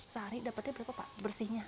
sehari dapatnya berapa pak bersihnya